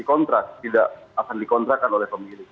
kontrak tidak akan dikontrakkan oleh pemilik